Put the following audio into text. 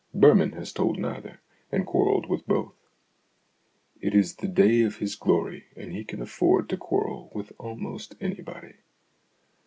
Birman has told neither, and quarrelled with both ; it is the day of his glory, and he can afford to quarrel with almost anybody.